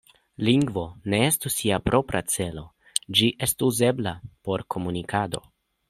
Lingvo ne estu sia propra celo, ĝi estu uzebla por komunikado.